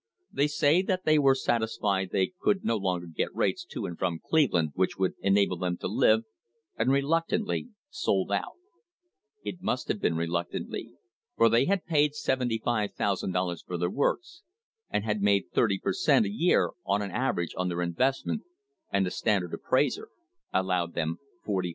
They say that they were satisfied they :ould no longer get rates to and from Cleveland which would nable them to live, and "reluctantly" sold out. It must have >een reluctantly, for they had paid $75,000 for their works, nd had made thirty per cent, a year on an average on their nvestment, and the Standard appraiser allowed them $45,000.